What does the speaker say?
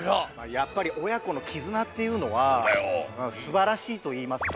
やっぱりおやこのきずなっていうのはすばらしいといいますか